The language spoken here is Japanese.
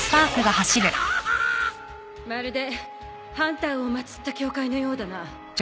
まるでハンターを祭った教会のようだな。